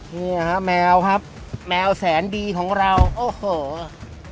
เนี่ยฮะแมวครับแมวแสนดีของเราโอ้โห